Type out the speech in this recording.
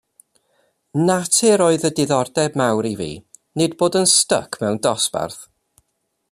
Natur oedd y diddordeb mawr i fi, nid bod yn sdyc mewn dosbarth.